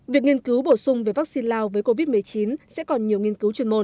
việc nghiên cứu bổ sung về vaccine lao với covid một mươi chín sẽ còn nhiều nghiên cứu chuyên môn